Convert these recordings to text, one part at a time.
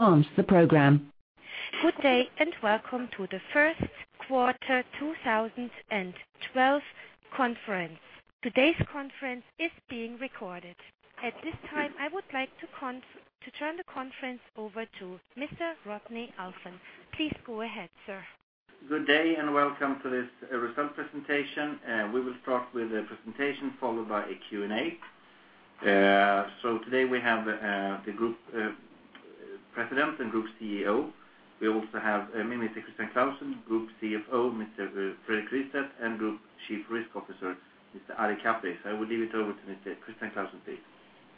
Good day and welcome to the First Quarter 2012 conference. Today's conference is being recorded. At this time, I would like to turn the conference over to Mr. Rodney Alfvén. Please go ahead, sir. Good day and welcome to this result presentation. We will start with a presentation followed by a Q&A. Today we have the Group President and Group CEO. We also have me, Mr. Christian Clausen, Group CFO, Mr. Fredrik Rystedt, and Group Chief Risk Officer, Mr. Ari Kaperi. I will leave it over to Mr. Christian Clausen, please.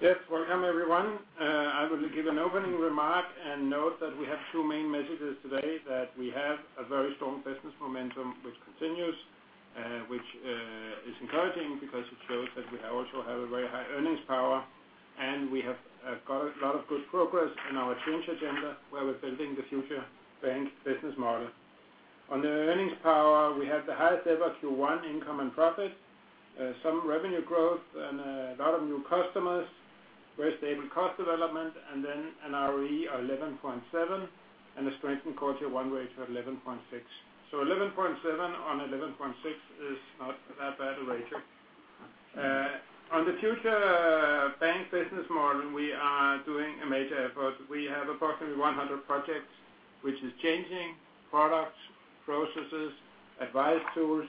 Yes, welcome everyone. I will give an opening remark and note that we have two main messages today: that we have a very strong business momentum, which continues, which is encouraging because it shows that we also have a very high earnings power, and we have got a lot of good progress in our change agenda where we're building the future bank business model. On the earnings power, we had the highest ever Q1 income and profit, some revenue growth, and a lot of new customers, very stable cost development, and then an ROE of 11.7% and a strengthened quarter one rate of 11.6%. 11.7% on 11.6% is not that bad a rating. On the future bank business model, we are doing a major effort. We have approximately 100 projects, which is changing products, processes, advice tools,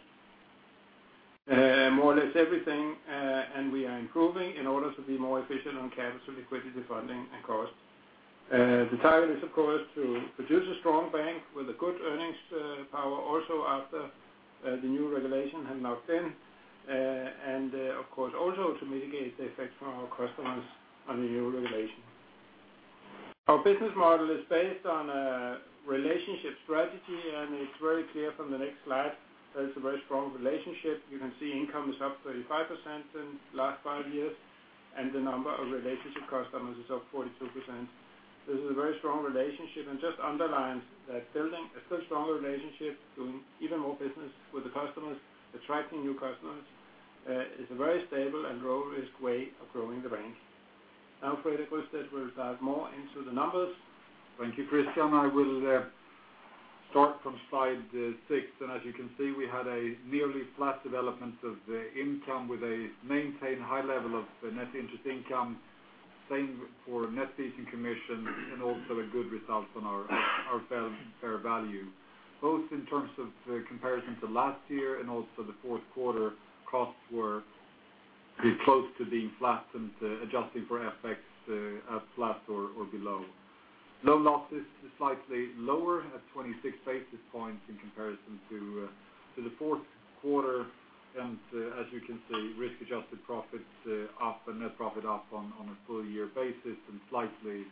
more or less everything, and we are improving in order to be more efficient on capital, liquidity, funding, and cost. The target is, of course, to produce a strong bank with a good earnings power also after the new regulation has not been, and of course, also to mitigate the effects from our customers on the new regulation. Our business model is based on a relationship strategy, and it's very clear from the next slide. That is a very strong relationship. You can see income is up 35% in the last five years, and the number of relationship customers is up 42%. This is a very strong relationship and just underlines that building a stronger relationship, doing even more business with the customers, attracting new customers, is a very stable and low-risk way of growing the bank. Now, Fredrik Rystedt will dive more into the numbers. Thank you, Christian. I will start from slide six. As you can see, we had a nearly flat development of income with a maintained high level of net interest income, same for net fees and commissions, and also a good result on our fair value. Both in terms of comparison to last year and also the fourth quarter, costs were close to being flat, and adjusting for effects at flat or below. Loan losses were slightly lower at 26 basis points in comparison to the fourth quarter. As you can see, risk-adjusted profits up and net profit up on a full-year basis and slightly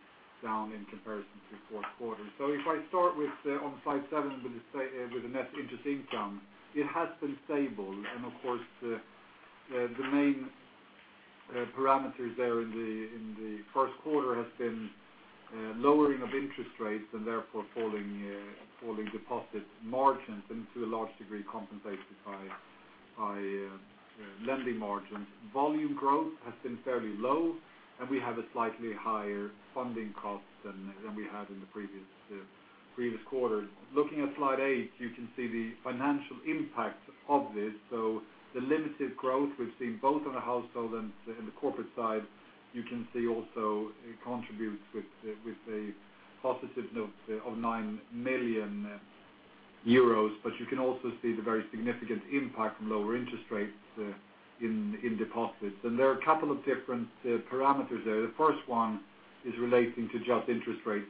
down in comparison to the fourth quarter. If I start with on slide seven with the net interest income, it has been stable. Of course, the main parameters there in the first quarter have been lowering of interest rates and therefore falling deposit margins and to a large degree compensated by lending margins. Volume growth has been fairly low, and we have a slightly higher funding cost than we had in the previous quarter. Looking at slide eight, you can see the financial impact of this. The limited growth we've seen both on the household and the corporate side, you can see also contributes with a positive note of 9 million euros. You can also see the very significant impact from lower interest rates in deposits. There are a couple of different parameters there. The first one is relating to just interest rates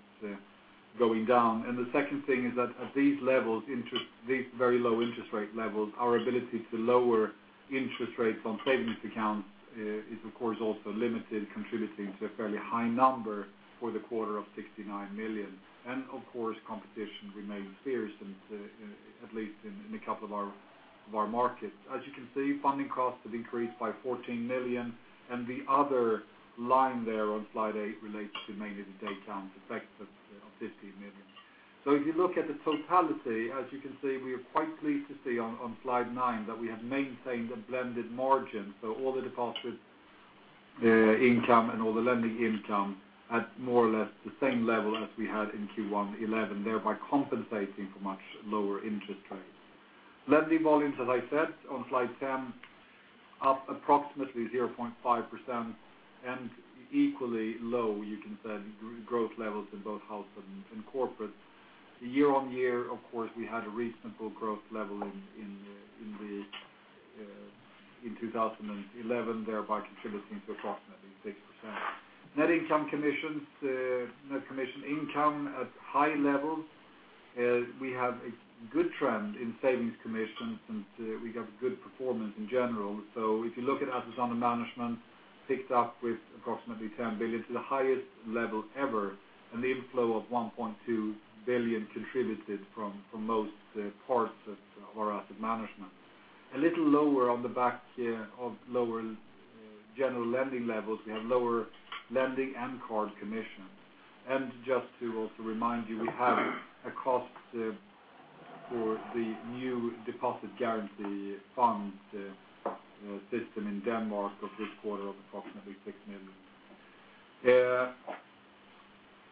going down. The second thing is that at these levels, these very low interest rate levels, our ability to lower interest rates on savings accounts is, of course, also limited, contributing to a fairly high number for the quarter of 69 million. Competition remains fierce, at least in a couple of our markets. As you can see, funding costs have increased by 14 million. The other line there on slide eight relates to mainly the day-count effects of EUR 15 million. If you look at the totality, as you can see, we are quite pleased to see on slide nine that we have maintained a blended margin. All the deposit income and all the lending income at more or less the same level as we had in Q1 2011, thereby compensating for much lower interest rates. Lending volumes, as I said, on slide 10, up approximately 0.5% and equally low, you can say, growth levels in both house and corporate. The year-on-year, of course, we had a reasonable growth level in 2011, thereby contributing to approximately 6%. Net commission income at high level, we have a good trend in savings commissions, and we got a good performance in general. If you look at assets under management, picked up with approximately 10 billion to the highest level ever, and the inflow of 1.2 billion contributed from most parts of our asset management. A little lower on the back of lower general lending levels, we have lower lending and card commissions. Just to also remind you, we have a cost for the new deposit guarantee fund system in Denmark this quarter of approximately 6 million.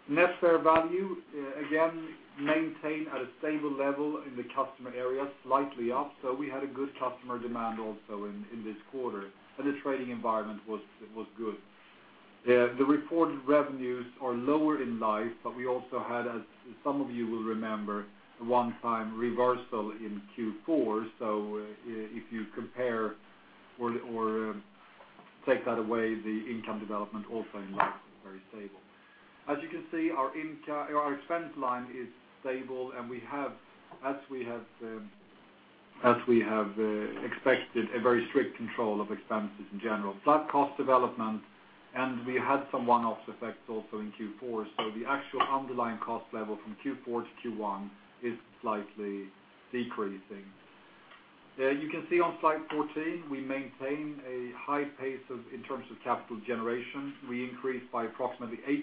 Net fair value, again, maintained at a stable level in the customer areas, slightly up. We had a good customer demand also in this quarter, and the trading environment was good. The reported revenues are lower in life, but we also had, as some of you will remember, a one-time reversal in Q4. If you compare or take that away, the income development also in life, very stable. As you can see, our expense line is stable, and we have, as we have expected, a very strict control of expenses in general. Flat cost development, and we had some one-off effects also in Q4. The actual underlying cost level from Q4 to Q1 is slightly decreasing. You can see on slide 14, we maintain a high pace in terms of capital generation. We increased by approximately 8%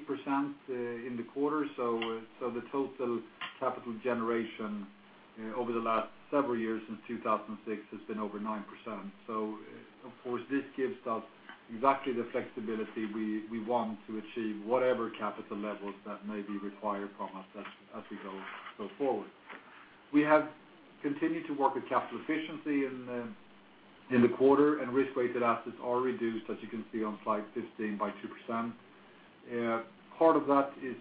in the quarter. The total capital generation over the last several years since 2006 has been over 9%. This gives us exactly the flexibility we want to achieve, whatever capital levels that may be required from us as we go forward. We have continued to work with capital efficiency in the quarter, and risk-weighted assets are reduced, as you can see on slide 15, by 2%. Part of that is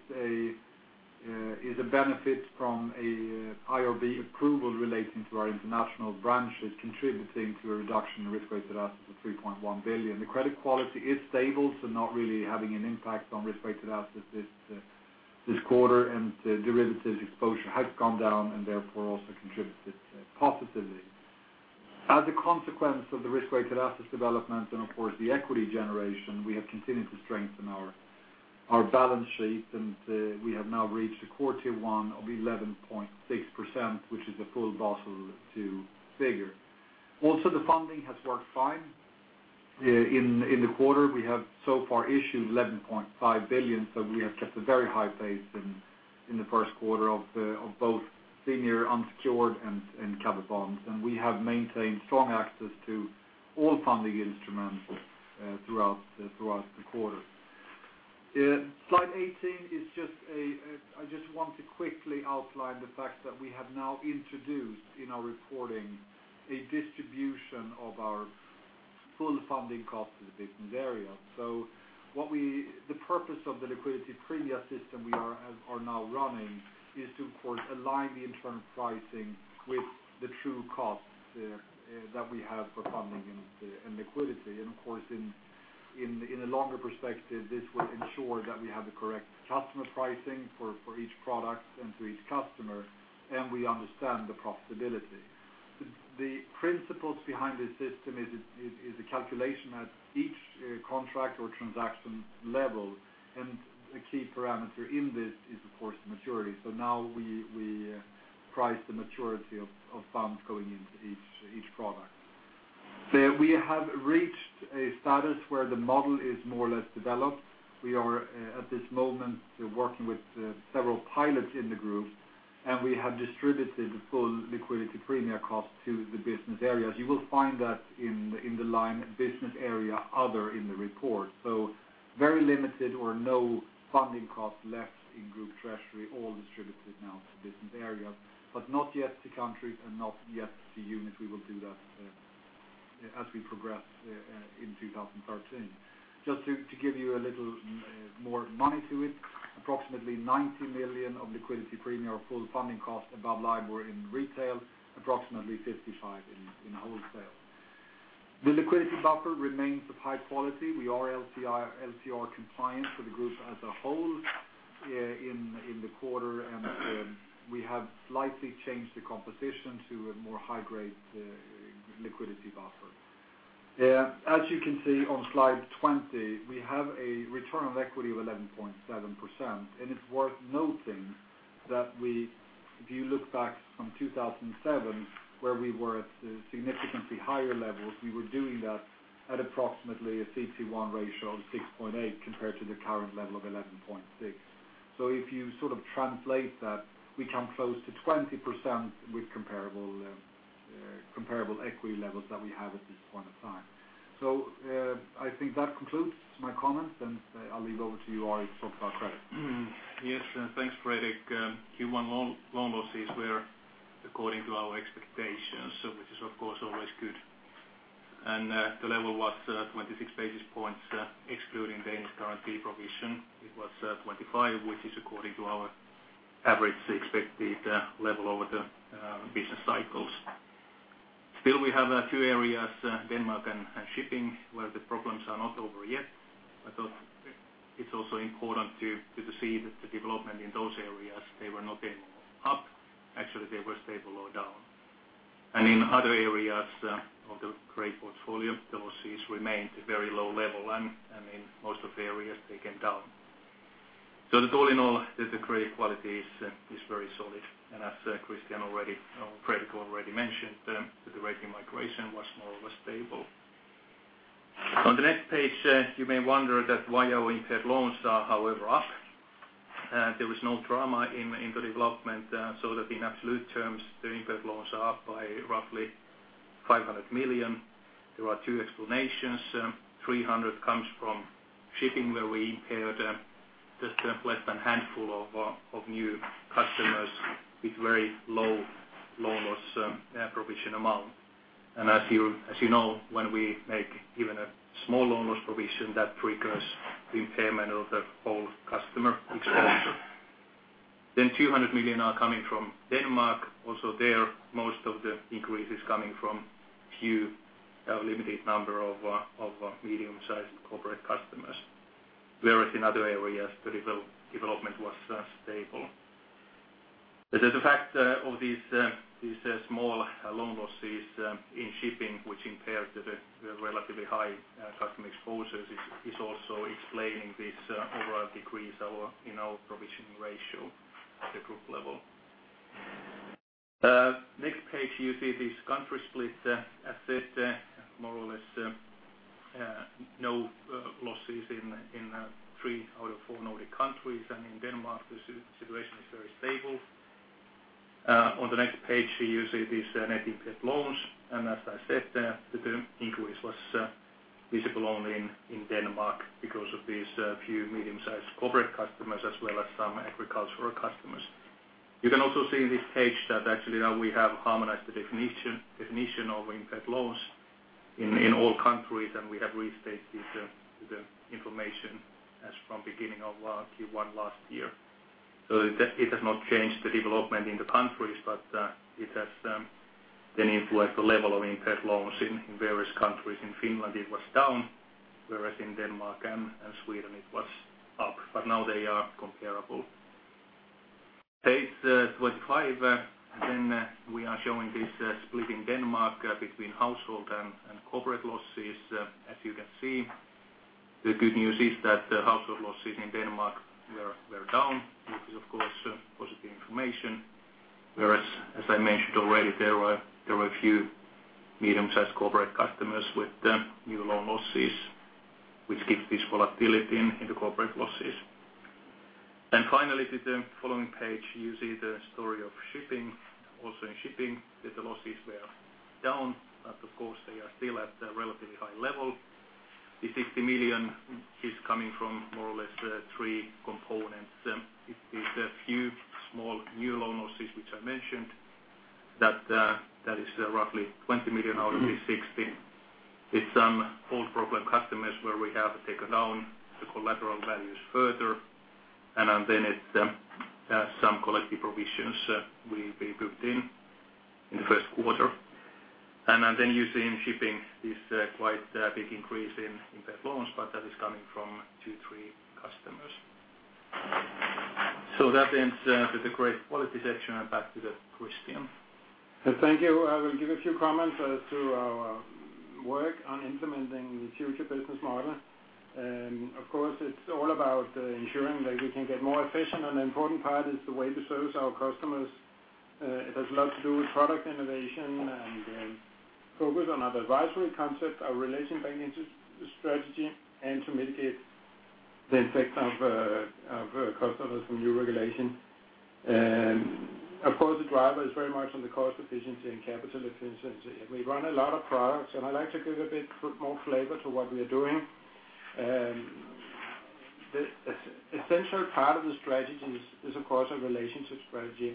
a benefit from an IRB approval relating to our international branches, contributing to a reduction in risk-weighted assets of 3.1 billion. The credit quality is stable, so not really having an impact on risk-weighted assets this quarter, and derivatives exposure has gone down and therefore also contributed positively. As a consequence of the risk-weighted assets development and, of course, the equity generation, we have continued to strengthen our balance sheet, and we have now reached a quarter one of 11.6%, which is a full bottle to figure. Also, the funding has worked fine. In the quarter, we have so far issued 11.5 billion, so we have kept a very high pace in the first quarter of both senior unsecured and covered bonds. We have maintained strong access to all funding instruments throughout the quarter. Slide 18 is just a, I just want to quickly outline the fact that we have now introduced in our reporting a distribution of our full funding costs in the business area. The purpose of the liquidity premium system we are now running is to, of course, align the internal pricing with the true costs that we have for funding and liquidity. In a longer perspective, this will ensure that we have the correct customer pricing for each product and to each customer, and we understand the profitability. The principles behind this system is a calculation at each contract or transaction level, and a key parameter in this is, of course, the maturity. Now we price the maturity of funds going into each product. We have reached a status where the model is more or less developed. We are at this moment working with several pilots in the group, and we have distributed the full liquidity premium costs to the business areas. You will find that in the line business area other in the report. Very limited or no funding cost left in Group Treasury, all distributed now to business areas, but not yet to countries and not yet to units. We will do that as we progress in 2013. Just to give you a little more money to it, approximately 90 million of liquidity premium of full funding costs above LIBOR in retail, approximately 55 million in wholesale. The liquidity buffer remains of high quality. We are LCR compliant for the group as a whole in the quarter, and we have slightly changed the composition to a more high-grade liquidity buffer. As you can see on slide 20, we have a return on equity of 11.7%. It's worth noting that if you look back on 2007, where we were at significantly higher levels, we were doing that at approximately a CET1 ratio of 6.8 compared to the current level of 11.6. If you sort of translate that, we come close to 20% with comparable equity levels that we have at this point of time. I think that concludes my comments, and I'll leave it over to you, Ari, to talk about credit. Yes, thanks, Fredrik. Q1 loan losses were according to our expectations, which is, of course, always good. The level was 26 basis points, excluding Danish currency provision. It was 25, which is according to our average expected level over the business cycles. Still, we have a few areas, Denmark and shipping, where the problems are not over yet. It's also important to see that the development in those areas was not up. Actually, they were stable or down. In other areas of the great portfolio, the losses remained at a very low level, and in most of the areas, they came down. All in all, the credit quality is very solid. As Christian already mentioned, the rate of migration was small, was stable. On the next page, you may wonder why our impaired loans are, however, up. There was no drama in the development. In absolute terms, the impaired loans are up by roughly 500 million. There are two explanations. 300 million comes from shipping, where we impaired just a handful of new customers with a very low loan loss provision amount. As you know, when we make even a small loan loss provision, that triggers the impairment of the whole customer points. 200 million are coming from Denmark. Also there, most of the increase is coming from a few limited number of medium-sized corporate customers. In other areas, the development was stable. The fact of these small loan losses in shipping, which impaired the relatively high customer exposures, is also explaining this overall decrease in our provisioning ratio at the group level. Next page, you see these country splits. As I said, more or less no losses in three out of four Nordic countries. In Denmark, the situation is very stable. On the next page, you see these net impaired loans. As I said, the increase was visible only in Denmark because of these few medium-sized corporate customers, as well as some agricultural customers. You can also see on this page that actually now we have harmonized the definition of impaired loans in all countries, and we have restated the information as from the beginning of Q1 last year. It has not changed the development in the countries, but it has influenced the level of impaired loans in various countries. In Finland, it was down, whereas in Denmark and Sweden, it was up. Now they are comparable. Page 25. We are showing this split in Denmark between household and corporate losses. As you can see, the good news is that household losses in Denmark were down, which is, of course, positive information. As I mentioned already, there were a few medium-sized corporate customers with new loan losses, which gives this volatility in the corporate losses. Finally, the following page, you see the story of shipping. Also in shipping, the losses were down, but of course, they are still at a relatively high level. The 50 million is coming from more or less three components. It is a few small new loan losses, which I mentioned, that is roughly 20 million out of the 60 million, with some old problem customers where we have taken down the collateral values further. It is some collective provisions we built in in the first quarter. You see in shipping this quite big increase in impaired loans, but that is coming from two to three customers. That ends the credit quality section. I'm back to Christian. Thank you. I will give a few comments to our work on implementing the future business model. Of course, it's all about ensuring that we can get more efficient. The important part is the way we service our customers. It has a lot to do with product innovation and focus on our advisory concept, our relation banking strategy, and to mitigate the effects of customers from new regulation. The driver is very much on the cost efficiency and capital efficiency. We run a lot of products, and I like to give a bit more flavor to what we are doing. An essential part of the strategy is, of course, our relationship strategy.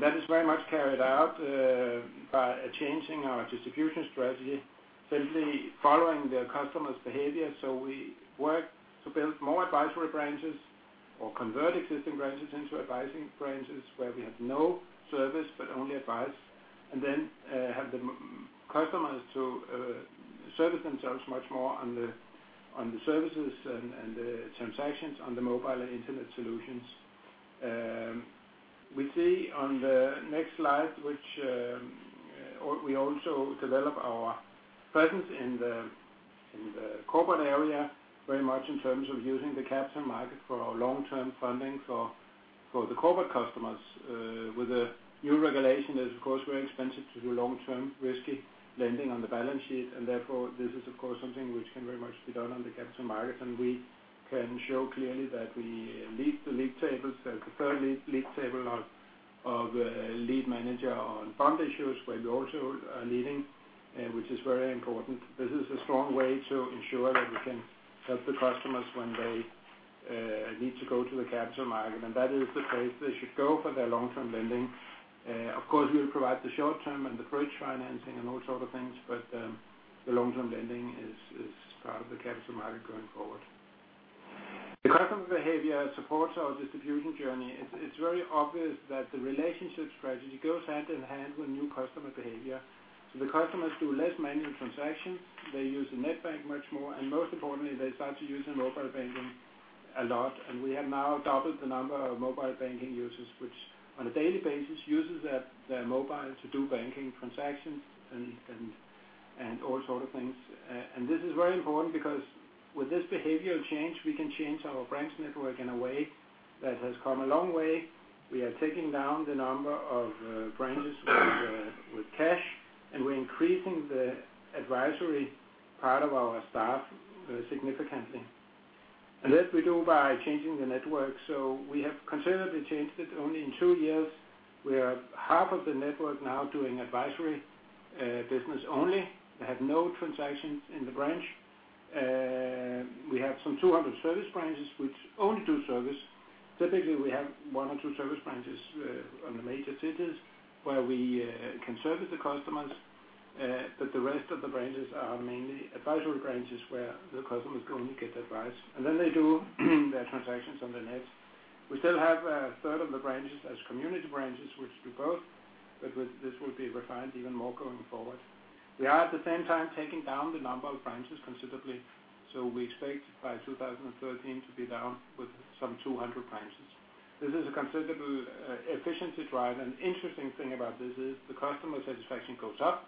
That is very much carried out by changing our distribution strategy, simply following the customer's behavior. We work to build more advisory branches or convert existing branches into advisory branches where we have no service, but only advice, and then have the customers to service themselves much more on the services and the transactions on the mobile and internet solutions. We see on the next slide, which we also develop our presence in the corporate area very much in terms of using the capital market for our long-term funding for the corporate customers. With the new regulation, it is, of course, very expensive to do long-term risky lending on the balance sheet. Therefore, this is, of course, something which can very much be done on the capital markets. We can show clearly that we lead the league tables, the third league table of lead manager on bond issues, where we also are leading, which is very important. This is a strong way to ensure that we can help the customers when they need to go to the capital market. That is the place they should go for their long-term lending. Of course, we will provide the short-term and the bridge financing and all sorts of things, but the long-term lending is part of the capital market going forward. The customer behavior supports our distribution journey. It's very obvious that the relationship strategy goes hand in hand with new customer behavior. The customers do less manual transactions. They use the net bank much more. Most importantly, they start to use the mobile banking a lot. We have now doubled the number of mobile banking users, which on a daily basis use their mobile to do banking transactions and all sorts of things. This is very important because with this behavioral change, we can change our branch network in a way that has come a long way. We are taking down the number of branches with cash, and we're increasing the advisory part of our staff significantly. That we do by changing the network. We have considerably changed it only in two years. We are half of the network now doing advisory business only. We have no transactions in the branch. We have some 200 service branches, which only do service. Typically, we have one or two service branches in the major cities where we can service the customers. The rest of the branches are mainly advisory branches where the customers only get advice, and then they do their transactions on their nets. We still have a third of the branches as community branches, which do both. This will be refined even more going forward. We are, at the same time, taking down the number of branches considerably. We expect by 2013 to be down with some 200 branches. This is a considerable efficiency drive. The interesting thing about this is the customer satisfaction goes up.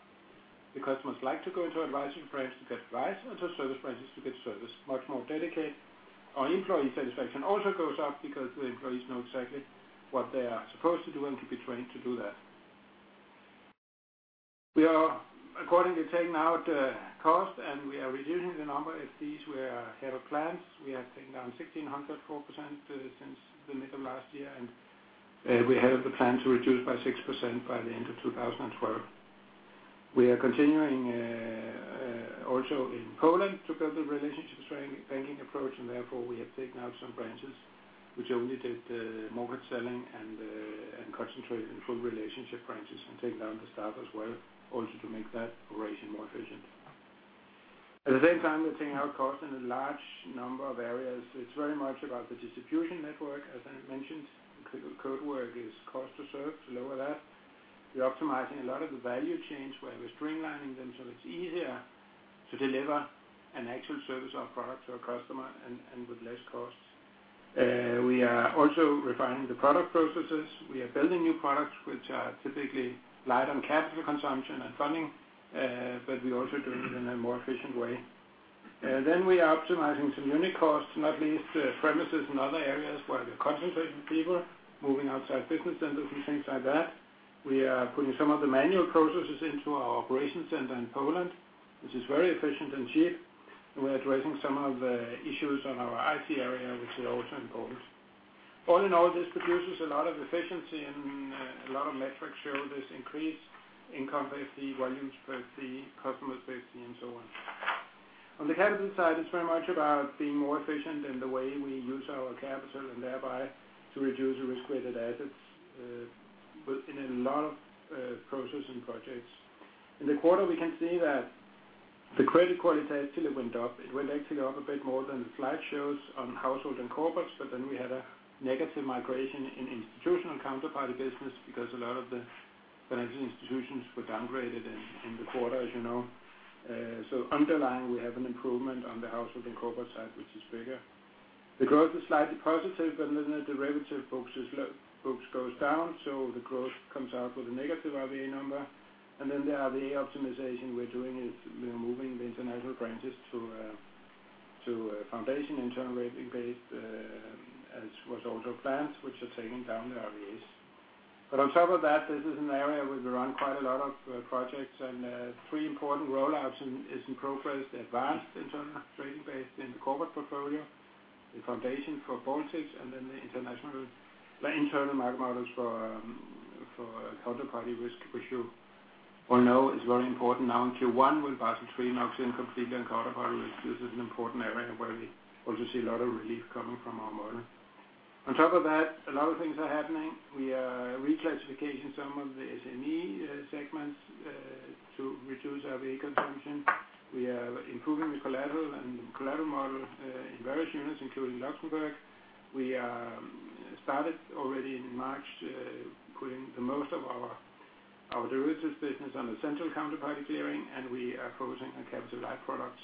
The customers like to go into advisory branches to get advice, and the service branches to get service much more dedicated. Our employee satisfaction also goes up because the employees know exactly what they are supposed to do and to be trained to do that. We are accordingly taking out the cost, and we are reducing the number of fees we have had plans. We have taken down 16.4% since the middle of last year, and we had the plan to reduce by 6% by the end of 2012. We are continuing also in Poland to build the relationship banking approach, and therefore, we have taken out some branches which only did the mortgage selling and concentrated in full relationship branches and taken down the staff as well, also to make that operation more efficient. At the same time, we're taking out cost in a large number of areas. It is very much about the distribution network, as I mentioned. Code work is cost to serve to lower that. We're optimizing a lot of the value chains where we're streamlining them so it's easier to deliver an actual service or product to a customer and with less cost. We are also refining the product processes. We are building new products which are typically light on capital consumption and funding, but we also do it in a more efficient way. We are optimizing some unit costs, not least premises and other areas where we are concentrating people, moving outside business centers, things like that. We are putting some of the manual processes into our operation center in Poland, which is very efficient and cheap. We're addressing some of the issues on our IC area, which is also important. All in all, this produces a lot of efficiency, and a lot of metrics show this increase in complexity, volumes per fee, complement per fee, and so on. On the capital side, it's very much about being more efficient in the way we use our capital and thereby to reduce risk-weighted assets in a lot of processes and projects. In the quarter, we can see that the credit quality actually went up. It went actually up a bit more than the slide shows on household and corporates, but we had a negative migration in institutional and counterparty business because a lot of the financial institutions were downgraded in the quarter, as you know. Underlying, we have an improvement on the household and corporate side, which is bigger. The growth is slightly positive, but the derivative books go down, so the growth comes out with a negative risk-weighted assets number. The risk-weighted assets optimization we're doing is we're moving the international branches to a foundation internal ratings-based, as was also planned, which are taking down the RBAs. On top of that, this is an area where we run quite a lot of projects, and three important rollouts in ProFest advanced internal trading based in the corporate portfolio, the foundation for Baltics, and the international internal math models for counterparty risk, which you all know is very important now in Q1 when Boston Fremont is incomplete on counterparty risk. This is an important area where we also see a lot of relief coming from our model. On top of that, a lot of things are happening. We are reclassifying some of the SME segments to reduce risk-weighted assets consumption. We are improving the collateral and the collateral model in various units, including Luxembourg. We started already in March quitting most of our derivatives business on the central counterparty gearing, and we are focusing on capital-light products.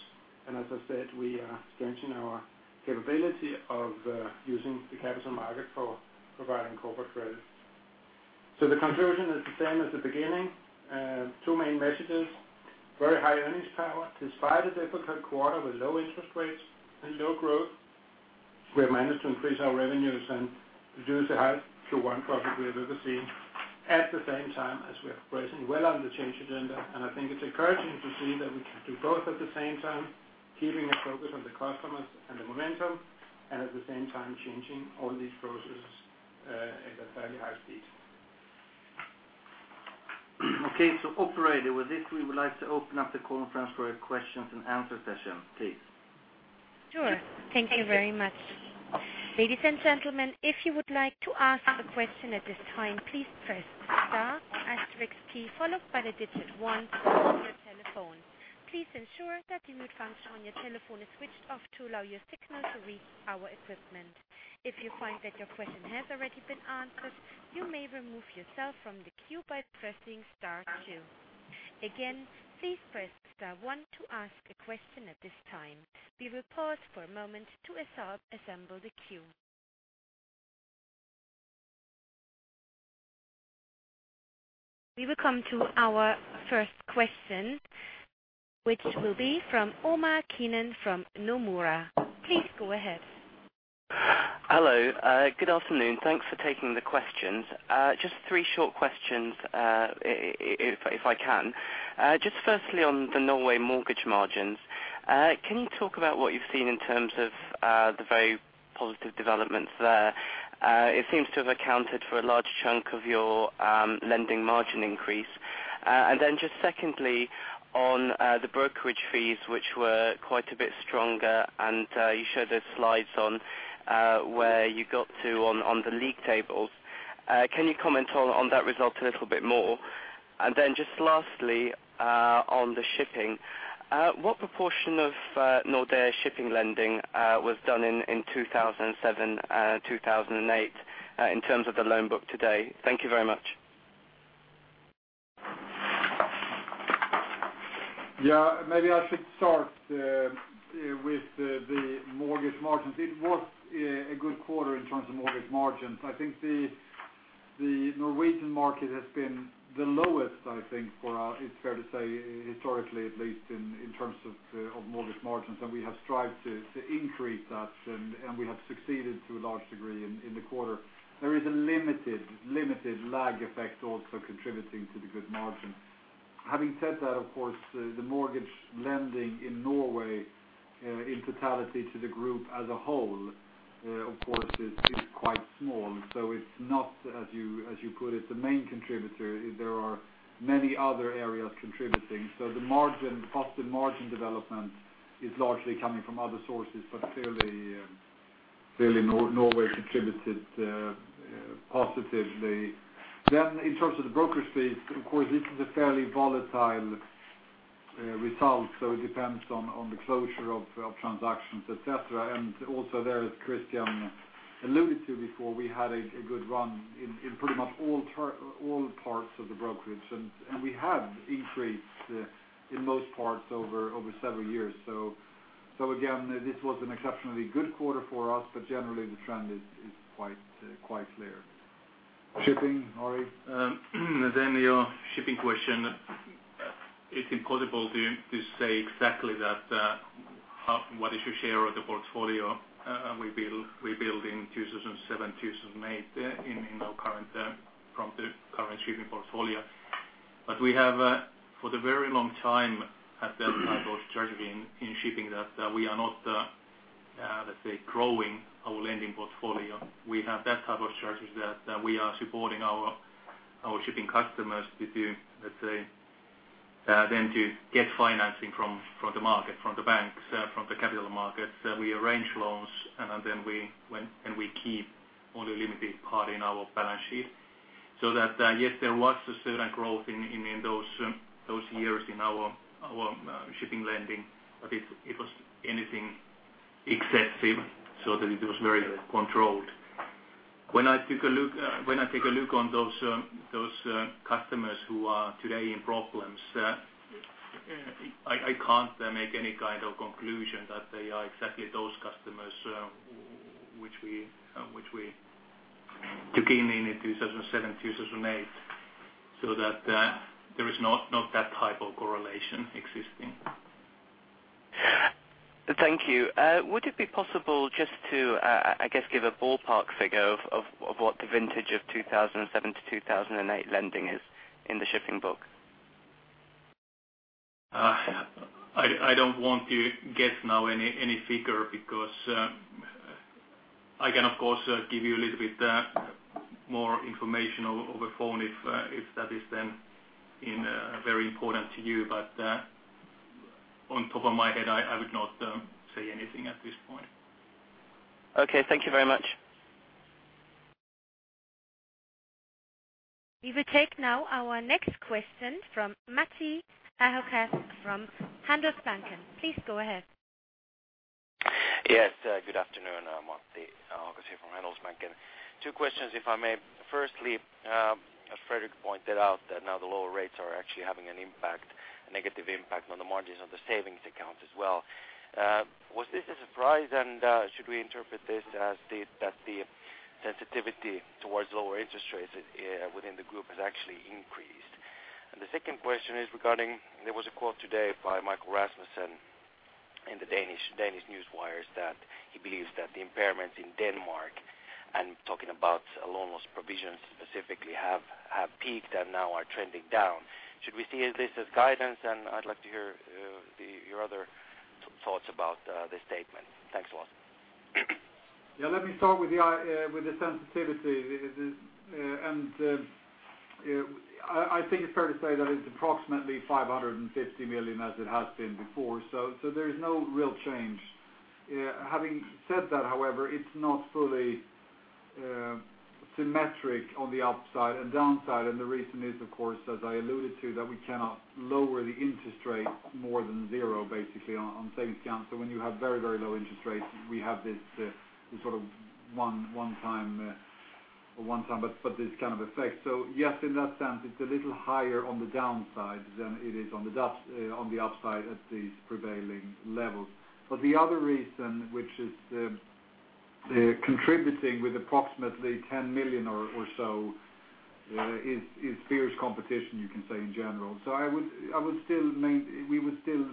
As I said, we are strengthening our capability of using the capital market for providing corporate credit. The conclusion is the same as the beginning. Two main messages. Very high earnings power despite a difficult quarter with low interest rates and low growth. We have managed to increase our revenues and reduce the highest Q1 profit we have ever seen. At the same time, as we are progressing well on the change agenda, I think it's encouraging to see that we can do both at the same time, keeping a focus on the customers and the momentum, and at the same time changing all these processes at a fairly high speed. Operating with this, we would like to open up the call for a questions and answer session, please. Sure. Thank you very much. Ladies and gentlemen, if you would like to ask a question at this time, please press the star or asterisk key followed by the digit one on your telephone. Please ensure that the mute function on your telephone is switched off to allow your signal to reach our equipment. If you find that your question has already been answered, you may remove yourself from the queue by pressing star two. Again, please press star one to ask a question at this time. Be reported for a moment to assemble the queue. We will come to our first question, which will be from Omar Keenan from Nomura. Please go ahead. Hello. Good afternoon. Thanks for taking the questions. Just three short questions, if I can. Firstly, on the Norway mortgage margins, can you talk about what you've seen in terms of the very positive developments there? It seems to have accounted for a large chunk of your lending margin increase. Secondly, on the brokerage fees, which were quite a bit stronger, and you showed those slides on where you got to on the league tables. Can you comment on that result a little bit more? Lastly, on the shipping, what proportion of Nordea shipping lending was done in 2007 and 2008 in terms of the loan book today? Thank you very much. Maybe I should start with the mortgage margins. It was a good quarter in terms of mortgage margins. I think the Norwegian market has been the lowest, I think, for it's fair to say, historically, at least in terms of mortgage margins. We have strived to increase that, and we have succeeded to a large degree in the quarter. There is a limited lag effect also contributing to the good margin. Having said that, of course, the mortgage lending in Norway, in totality, to the group as a whole, of course, is quite small. It's not, as you put it, the main contributor. There are many other areas contributing. The positive margin development is largely coming from other sources, but clearly, Norway contributed positively. In terms of the brokerage fees, this is a fairly volatile result. It depends on the closure of transactions, etc. Also there, as Christian alluded to before, we had a good run in pretty much all parts of the brokerage. We had an increase in most parts over several years. This was an exceptionally good quarter for us, but generally, the trend is quite clear. Shipping, Ari. It's impossible to say exactly what is your share of the portfolio we built in 2007, 2008 in our current shipping portfolio. We have, for a very long time, had that type of strategy in shipping that we are not, let's say, growing our lending portfolio. We have that type of strategy that we are supporting our shipping customers to, let's say, get financing from the market, from the banks, from the capital markets. We arrange loans, and then we keep only a limited part in our balance sheet. Yes, there was a certain growth in those years in our shipping lending, but it was not anything excessive, so it was very controlled. When I take a look on those customers who are today in problems, I can't make any kind of conclusion that they are exactly those customers which we took in in 2007, 2008. There is not that type of correlation existing. Thank you. Would it be possible just to, I guess, give a ballpark figure of what the vintage of 2007 to 2008 lending is in the shipping book? I don't want to get now any figure because I can, of course, give you a little bit more information over the phone if that is then very important to you. On top of my head, I would not say anything at this point. Okay, thank you very much. We will take now our next question from Matti Ahokas from Handelsbanken. Please go ahead. Yes. Good afternoon, Matti here from Handelsbanken. Two questions, if I may. Firstly, as Fredrik pointed out, that now the lower rates are actually having an impact, a negative impact on the margins of the savings account as well. Was this a surprise, and should we interpret this as the sensitivity towards lower interest rates within the group has actually increased? The second question is regarding, there was a quote today by Michael Rasmussen in the Danish newswires that he believes that the impairments in Denmark, and talking about loan loss provisions specifically, have peaked and now are trending down. Should we see this as guidance? I'd like to hear your other thoughts about this statement. Thanks a lot. Let me start with the sensitivity. I think it's fair to say that it's approximately 550 million as it has been before. There is no real change. Having said that, however, it's not fully symmetric on the upside and downside. The reason is, of course, as I alluded to, that we cannot lower the interest rate more than zero, basically, on savings accounts. When you have very, very low interest rates, we have this sort of one-time, or not one-time, but this kind of effect. Yes, in that sense, it's a little higher on the downside than it is on the upside at this prevailing level. The other reason, which is contributing with approximately 10 million or so, is fierce competition, you can say, in general. I would still, we would still,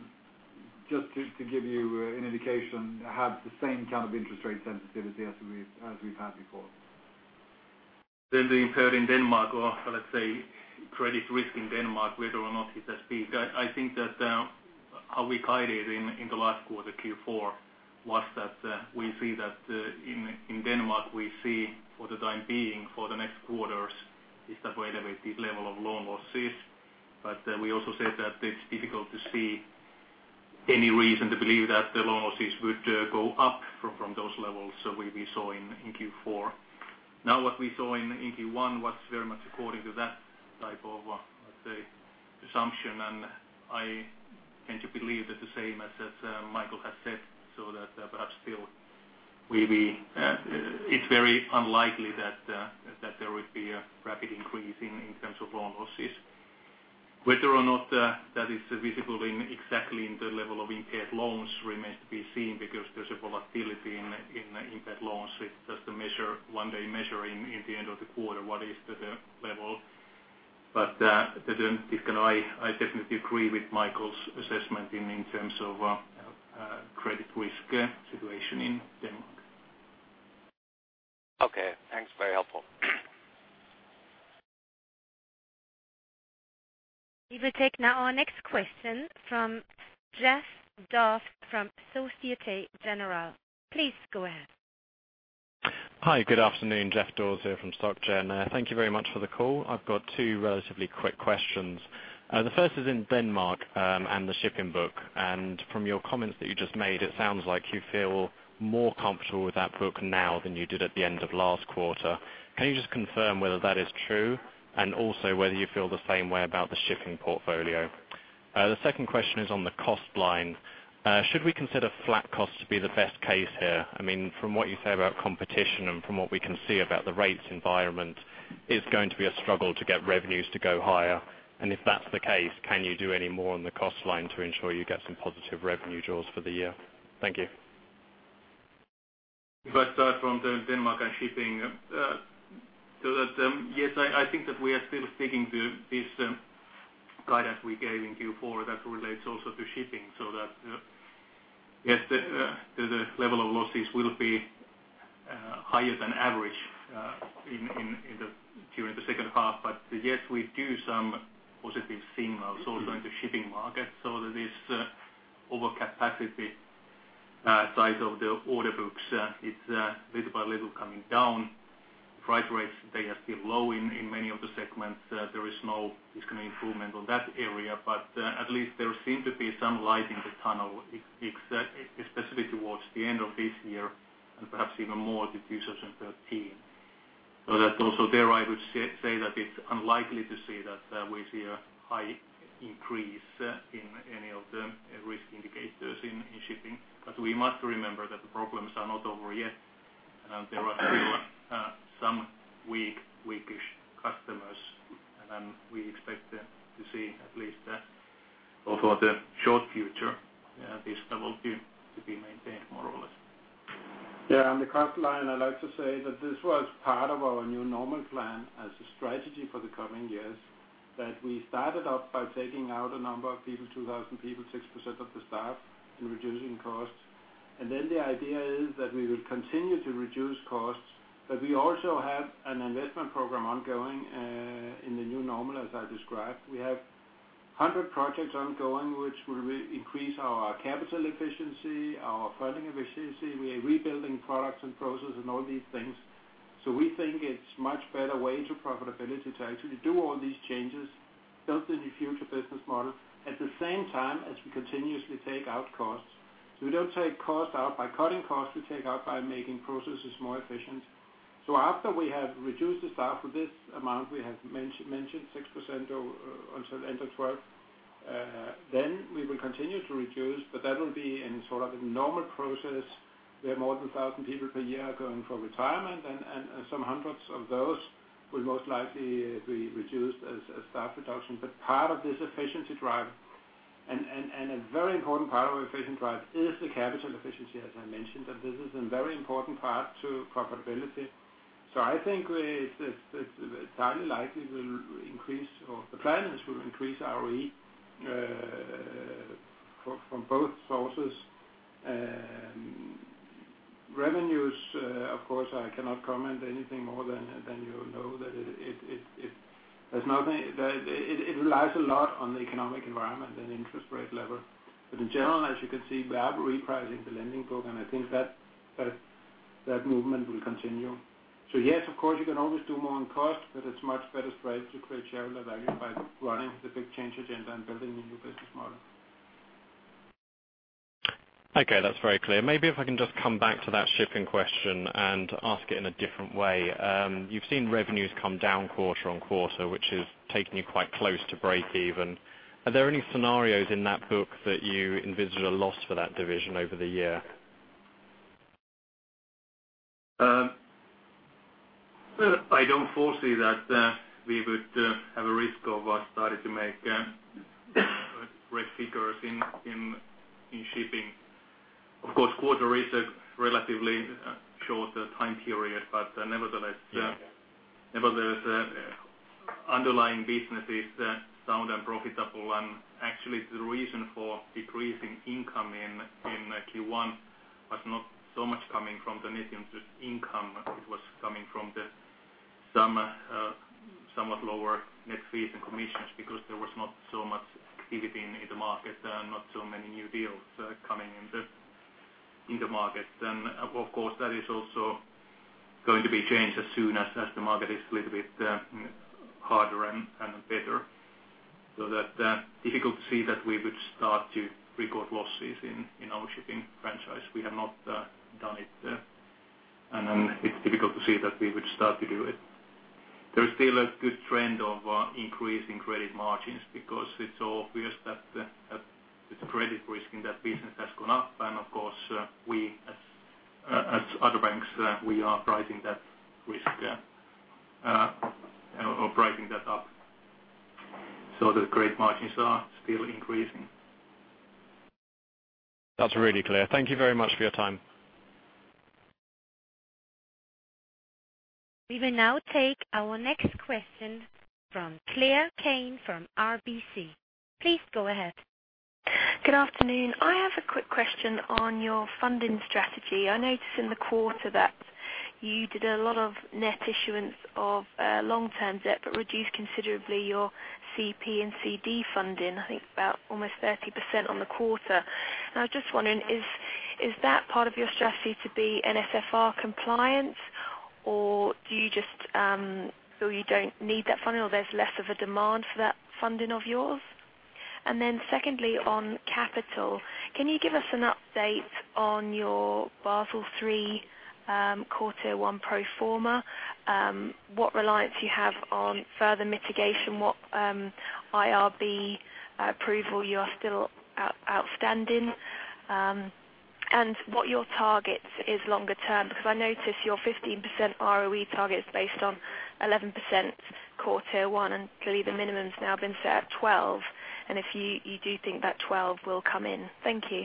just to give you an indication, have the same kind of interest rate sensitivity as we've had before. The impair in Denmark, or let's say credit risk in Denmark, whether or not it has peaked, I think that how we guided in the last quarter Q4 was that we see that in Denmark, we see for the time being for the next quarters, is the relative level of loan losses. We also said that it's difficult to see any reason to believe that the loan losses would go up from those levels we saw in Q4. What we saw in Q1 was very much according to that type of, let's say, assumption. I tend to believe that the same as Michael has said, so that perhaps still it's very unlikely that there would be a rapid increase in terms of loan losses. Whether or not that is visible exactly in the level of impaired loans remains to be seen because there's a volatility in impaired loans. It's just a one-day measure in the end of the quarter, what is the level. I definitely agree with Michael's assessment in terms of credit risk situation in Denmark. Okay, thanks. Very helpful. We will take now our next question from Geoff Dawes from Société Générale. Please go ahead. Hi. Good afternoon. Geoff Dawes here from Société Générale. Thank you very much for the call. I've got two relatively quick questions. The first is in Denmark and the shipping book. From your comments that you just made, it sounds like you feel more comfortable with that book now than you did at the end of last quarter. Can you just confirm whether that is true and also whether you feel the same way about the shipping portfolio? The second question is on the cost line. Should we consider flat costs to be the best case here? I mean, from what you say about competition and from what we can see about the rates environment, it's going to be a struggle to get revenues to go higher. If that's the case, can you do any more on the cost line to ensure you get some positive revenue draws for the year? Thank you. From Denmark and shipping, yes, I think that we are still sticking to this guide that we gave in Q4 that relates also to shipping. Yes, the level of losses will be higher than average during the second half. Yes, we do see some positive signals also in the shipping market. The overcapacity side of the order books is little by little coming down. Freight rates are still low in many of the segments. There is no kind of improvement in that area. At least there seems to be some light in the tunnel, especially towards the end of this year and perhaps even more in 2013. There, I would say that it's unlikely to see a high increase in any of the risk indicators in shipping. We must remember that the problems are not over yet. There are still some weakish customers, and we expect to see at least over the short future this level to be maintained more or less. Yeah. On the cost line, I'd like to say that this was part of our New Normal plan as a strategy for the coming years, that we started up by taking out a number of people, 2,000 people, 6% of the staff, and reducing costs. The idea is that we will continue to reduce costs, but we also have an investment program ongoing in the New Normal, as I described. We have 100 projects ongoing, which will increase our capital efficiency, our funding efficiency. We are rebuilding products and processes and all these things. We think it's a much better way to profitability to actually do all these changes, build the new future business model. At the same time, as we continuously take out costs, we don't take costs out by cutting costs. We take out by making processes more efficient. After we have reduced the staff for this amount, we have mentioned 6% until end of 2012, we will continue to reduce. That will be in sort of a normal process. We have more than 1,000 people per year going for retirement, and some hundreds of those will most likely be reduced as staff reduction. Part of this efficiency drive, and a very important part of our efficiency drive, is the capital efficiency, as I mentioned. This is a very important part to profitability. I think it's highly likely we'll increase, or the plan is we'll increase RV from both sources. Revenues, of course, I cannot comment anything more than you know that it relies a lot on the economic environment and interest rate level. In general, as you can see, we are repricing the lending book, and I think that that movement will continue. Yes, of course, you can always do more on cost, but it's a much better strategy to create shareholder value by running the big change agenda and building the new business model. Okay. That's very clear. Maybe if I can just come back to that shipping question and ask it in a different way. You've seen revenues come down quarter on quarter, which has taken you quite close to break even. Are there any scenarios in that book that you envision a loss for that division over the year? I don't foresee that we would have a risk of starting to make great figures in shipping. Of course, quarter is a relatively short time period, but nevertheless, the underlying business is sound and profitable. Actually, the reason for decreasing income in Q1 was not so much coming from the net interest income. It was coming from some somewhat lower net fees and commissions because there was not so much activity in the market and not so many new deals coming into the market. That is also going to be changed as soon as the market is a little bit harder and better. It's difficult to see that we would start to record losses in our shipping franchise. We have not done it, and it's difficult to see that we would start to do it. There is still a good trend of increasing credit margins because it's so obvious that the credit risk in that business has gone up. We, as other banks, are pricing that risk or pricing that up. The credit margins are still increasing. That's really clear. Thank you very much for your time. We will now take our next question from Claire Cain from RBC. Please go ahead. Good afternoon. I have a quick question on your funding strategy. I noticed in the quarter that you did a lot of net issuance of long-term debt, but reduced considerably your CP and CD funding, I think about almost 30% on the quarter. I was just wondering, is that part of your strategy to be NSFR compliant, or do you just feel you don't need that funding, or there's less of a demand for that funding of yours? Secondly, on capital, can you give us an update on your Basel III Q1 pro forma? What reliance you have on further mitigation, what IRB approvals are still outstanding, and what your target is longer term? I noticed your 15% ROE target is based on 11% Q1, and I believe the minimum's now been set at 12%. If you do think that 12% will come in. Thank you.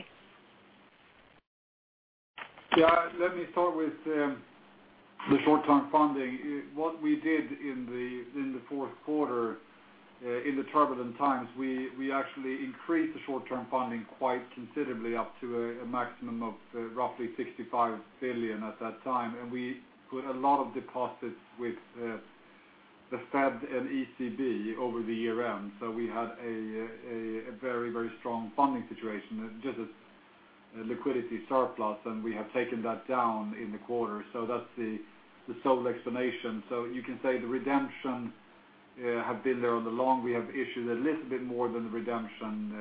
Yeah. Let me start with the short-term funding. What we did in the fourth quarter, in the turbulent times, we actually increased the short-term funding quite considerably up to a maximum of roughly 65 billion at that time. We put a lot of deposits with the Fed and ECB over the year end. We had a very, very strong funding situation, just as liquidity surplus, and we have taken that down in the quarter. That's the sole explanation. You can say the redemption has been there on the long. We have issued a little bit more than the redemption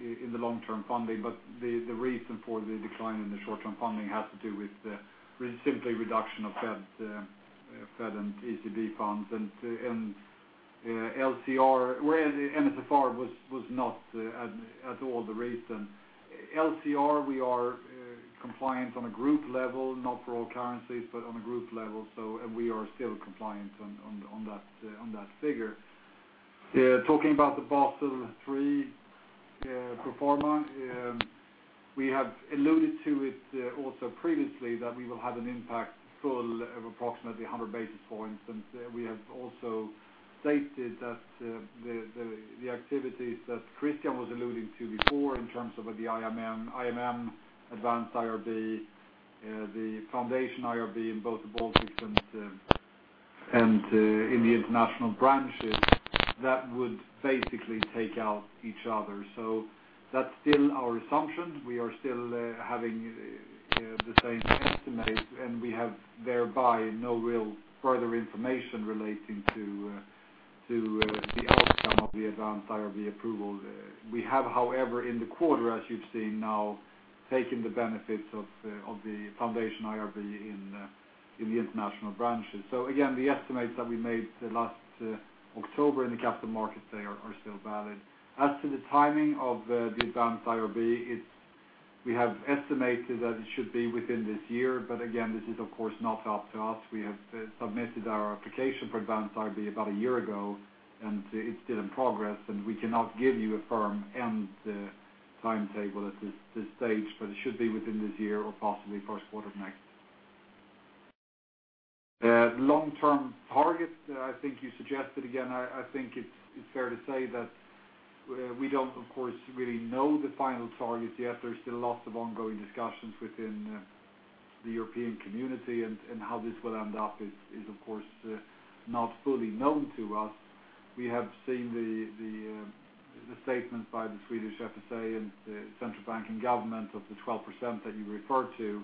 in the long-term funding. The reason for the decline in the short-term funding has to do with the simply reduction of Fed and ECB funds. The NSFR was not at all the reason. LCR, we are compliant on a group level, not for all currencies, but on a group level, and we are still compliant on that figure. Talking about the Basel III pro forma, we have alluded to it also previously that we will have an impact full of approximately 100 basis points. We have also stated that the activities that Christian was alluding to before in terms of the IMM, IMM Advanced IRB, the foundation IRB in both the Baltics and in the international branches, that would basically take out each other. That's still our assumption. We are still having the same estimate, and we have thereby no real further information relating to the outcome of the advanced IRB approval. We have, however, in the quarter, as you've seen now, taken the benefits of the foundation IRB in the international branches. Again, the estimates that we made last October in the capital markets, they are still valid. As to the timing of the advanced IRB, we have estimated that it should be within this year. This is, of course, not up to us. We have submitted our application for advanced IRB about a year ago, and it's still in progress. We cannot give you a firm end timetable at this stage, but it should be within this year or possibly first quarter of next. Long-term targets, I think you suggested again, I think it's fair to say that we don't, of course, really know the final targets yet. There are still lots of ongoing discussions within the European community, and how this will end up is, of course, not fully known to us. We have seen the statement by the Swedish FSA and the central banking government of the 12% that you referred to.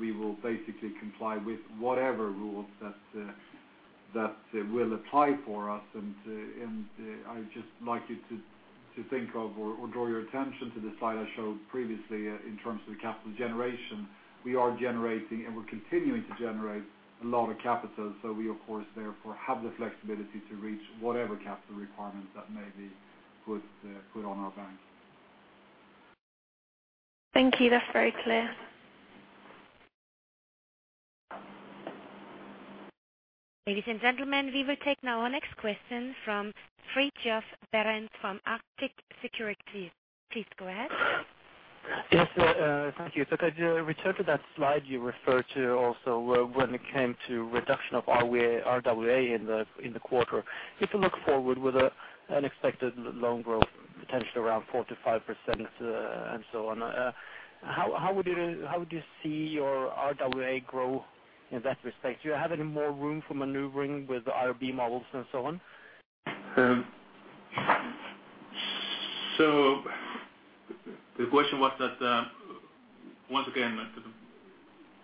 We will basically comply with whatever rules that will apply for us. I'd just like you to think of or draw your attention to the slide I showed previously in terms of the capital generation. We are generating and we're continuing to generate a lot of capital. We, of course, therefore have the flexibility to reach whatever capital requirements that may be put on our bank. Thank you. That's very clear. Ladies and gentlemen, we will take now our next question from Fridjof Berends from Arctic Securities. Please go ahead. Yes. Thank you. As you refer to that slide you referred to also when it came to reduction of risk-weighted assets in the quarter, if you look forward with an expected loan growth potential around 4%-5% and so on, how would you see your risk-weighted assets grow in that respect? Do you have any more room for maneuvering with the IRB approvals and so on? The question was that once again,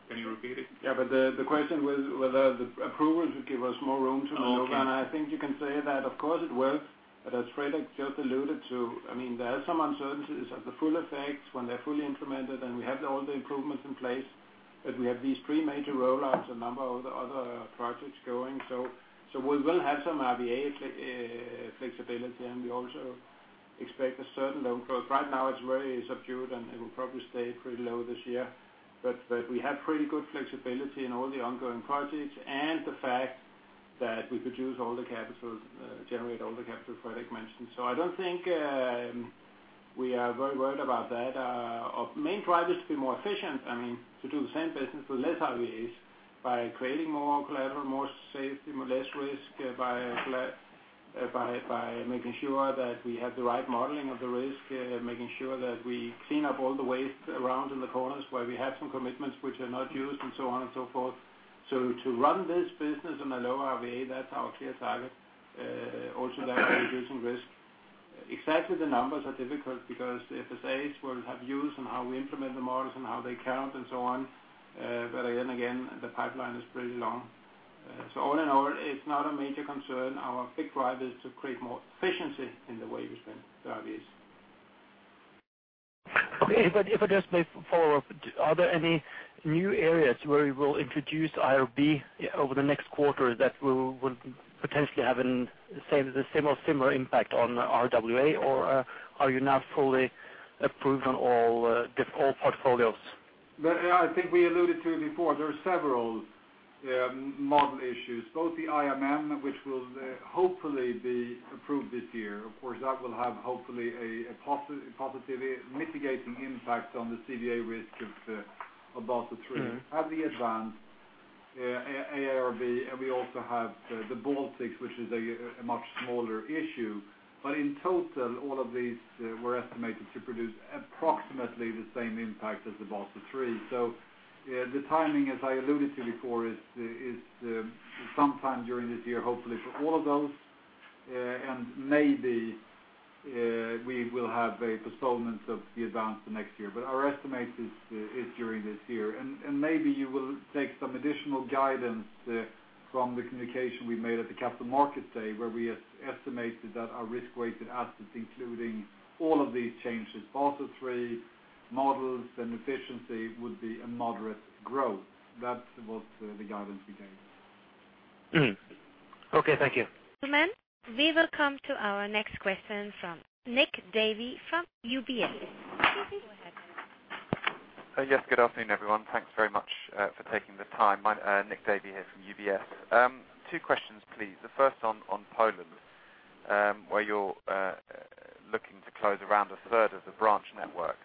can you repeat it? Yeah, the question was whether the approvals would give us more room to maneuver. I think you can say that, of course, it would. As Fredrik just alluded to, there are some uncertainties at the full effect when they're fully implemented, and we have all the improvements in place. We have these three major rollouts and a number of other projects going. We will have some RVA flexibility, and we also expect a certain loan growth. Right now, it's very subdued, and it will probably stay pretty low this year. We have pretty good flexibility in all the ongoing projects and the fact that we produce all the capital, generate all the capital Fredrik mentioned. I don't think we are very worried about that. Our main drive is to be more efficient, to do the same business with less RVAs by creating more collateral, more safety, less risk by making sure that we have the right modeling of the risk, making sure that we clean up all the waste around in the corners where we have some commitments which are not used and so on and so forth. To run this business on a lower RVA, that's our clear target. Also, there are increasing risks. Exactly the numbers are difficult because the FSAs will have views on how we implement the models and how they count and so on. The pipeline is pretty long. All in all, it's not a major concern. Our big drive is to create more efficiency in the way we spend RVAs. Okay. If I just may follow up, are there any new areas where we will introduce IRB over the next quarter that will potentially have the same or similar impact on RWA, or are you now fully approved on all portfolios? I think we alluded to it before. There are several model issues, both the IMM, which will hopefully be approved this year. Of course, that will hopefully have a positive mitigating impact on the CVA risk of Basel III, have the advanced ARB, and we also have the Baltics, which is a much smaller issue. In total, all of these were estimated to produce approximately the same impact as Basel III. The timing, as I alluded to before, is sometime during this year, hopefully for all of those. Maybe we will have a postponement of the advance the next year. Our estimate is during this year. Maybe you will take some additional guidance from the communication we made at the Capital Market Day, where we estimated that our risk-weighted asset, including all of these changes, Basel III models and efficiency, would be a moderate growth. That was the guidance we gave. Okay, thank you. Gentlemen, we will come to our next question from Nick Davey from UBS. Please go ahead. Yes. Good afternoon, everyone. Thanks very much for taking the time. Nick Davey here from UBS. Two questions, please. The first on Poland, where you're looking to close around a third of the branch network.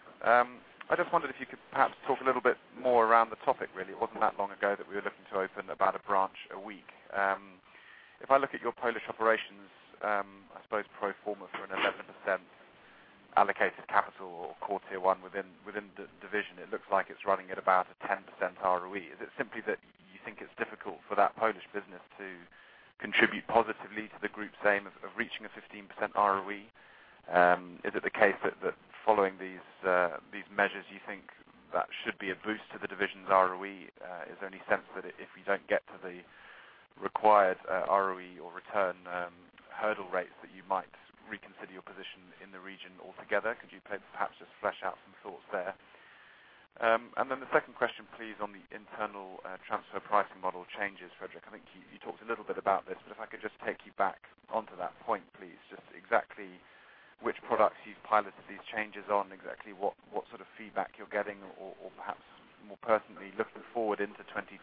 I just wondered if you could perhaps talk a little bit more around the topic, really. It wasn't that long ago that we were looking to open about a branch a week. If I look at your Polish operations, I suppose pro forma for an 11% allocated capital or quarter one within the division, it looks like it's running at about a 10% ROE. Is it simply that you think it's difficult for that Polish business to contribute positively to the group's aim of reaching a 15% ROE? Is it the case that following these measures, you think that should be a boost to the division's ROE? Is there any sense that if you don't get to the required ROE or return hurdle rate, that you might reconsider your position in the region altogether? Could you perhaps just flesh out some thoughts there? The second question, please, on the internal transfer pricing model changes, Fredrik. I think you talked a little bit about this, but if I could just take you back onto that point, please, just exactly which products you've piloted these changes on, exactly what sort of feedback you're getting, or perhaps more pertinently, looking forward into 2012,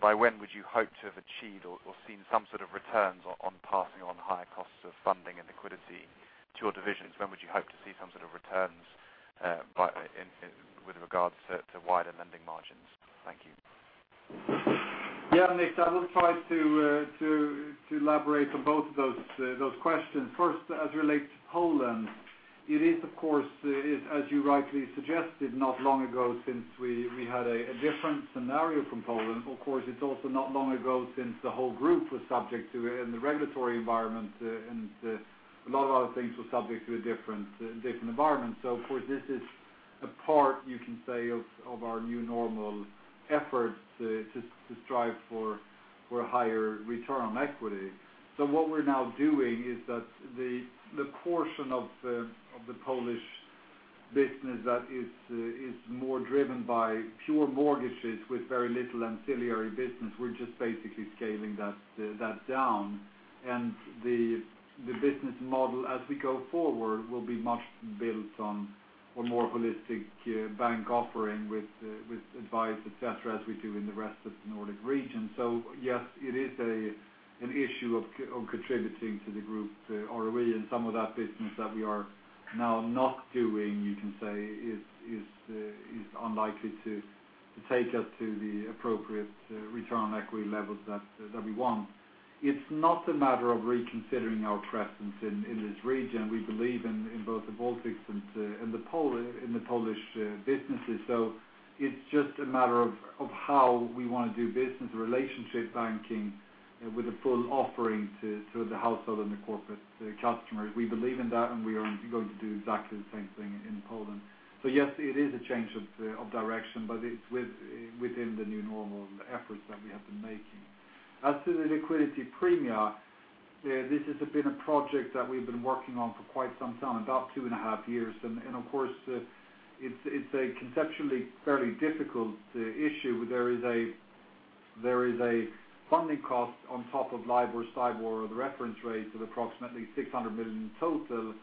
by when would you hope to have achieved or seen some sort of returns on passing on higher costs of funding and liquidity to your divisions? When would you hope to see some sort of returns with regards to wider lending margins? Thank you. Yeah. Nick, I will try to elaborate on both of those questions. First, as it relates to Poland, it is, of course, as you rightly suggested, not long ago since we had a different scenario from Poland. Of course, it's also not long ago since the whole group was subject to it in the regulatory environment, and a lot of other things were subject to a different environment. This is a part, you can say, of our new normal efforts to strive for a higher return on equity. What we're now doing is that the portion of the Polish business that is more driven by pure mortgages with very little ancillary business, we're just basically scaling that down. The business model, as we go forward, will be much built on a more holistic bank offering with advice, etc., as we do in the rest of the Nordic region. Yes, it is an issue of contributing to the group ROE, and some of that business that we are now not doing, you can say, is unlikely to take up to the appropriate return on equity level that we want. It's not a matter of reconsidering our presence in this region. We believe in both the Baltics and the Polish businesses. It's just a matter of how we want to do business relationship banking with a full offering to the household and the corporate customers. We believe in that, and we are going to do exactly the same thing in Poland. Yes, it is a change of direction, but it's within the new normal efforts that we have been making. As to the liquidity premia, this has been a project that we've been working on for quite some time, about two and a half years. It is a conceptually fairly difficult issue. There is a funding cost on top of LIBOR, STABOR, the reference rate of approximately 600 million total.